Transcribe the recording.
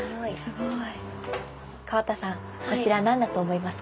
すごい。河田さんこちら何だと思いますか？